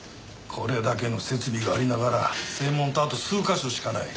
これだけの設備がありながら正門とあと数カ所しかない。